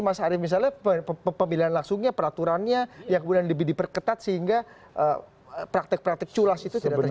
mas arief misalnya pemilihan langsungnya peraturannya yang kemudian diperketat sehingga praktek praktek culas itu tidak terjadi